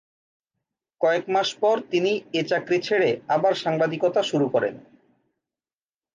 কয়েক মাস পর তিনি এ চাকরি ছেড়ে আবার সাংবাদিকতা শুরু করেন।